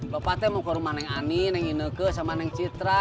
bapak teh mau ke rumah neng ani neng ineke sama neng citra